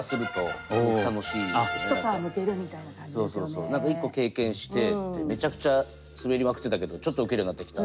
意外に何か一個経験してめちゃくちゃスベりまくってたけどちょっとウケるようになってきた。